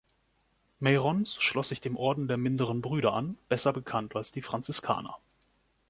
Meyronnes schloss sich dem Orden der Minderen Brüder an, besser bekannt als die Franziskaner.